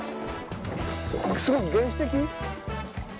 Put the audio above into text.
すごく原始的。